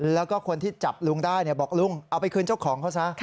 แล้วก็คนที่จับลุงได้บอกลุงเอาไปคืนเจ้าของเขาซะ